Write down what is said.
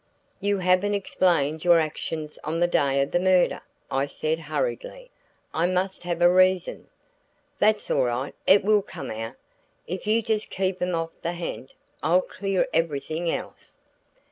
"You haven't explained your actions on the day of the murder," I said hurriedly. "I must have a reason." "That's all right it will come out. If you just keep 'em off the ha'nt, I'll clear everything else."